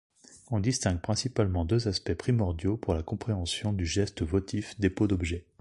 On distingue principalement deux aspects primordiaux pour la compréhension du geste votif dépôt d'objet.